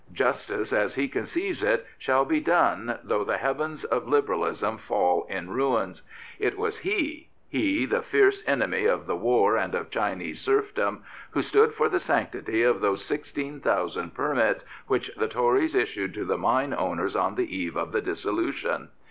Justice, as he conceives it, shall be done though the heavens of Liberalism fall in ruins. It was he — he, the fierce enemy of the war and of Chinese serfdom — who stood for the sanctity of those 16,000 permits which the Tories issued to the mine owners on the eve of the dissolution.